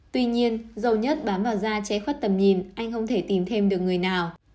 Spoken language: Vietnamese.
tuy nhiên dầu nhất bám vào da chế khuất tầm nhìn anh không thể tìm thêm được người nào